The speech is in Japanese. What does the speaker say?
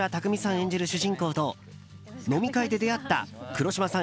演じる主人公と飲み会で出会った黒島さん